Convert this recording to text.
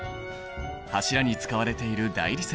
柱に使われている大理石。